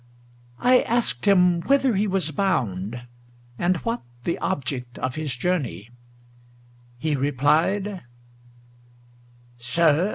—I asked him whither he was bound, and what The object of his journey; he replied "Sir!